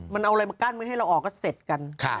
มันเอาอะไรมากั้นไม่ให้เราออกก็เสร็จกัน